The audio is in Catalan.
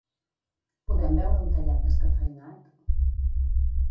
Podem beure un tallat descafeïnat?